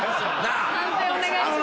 判定お願いします。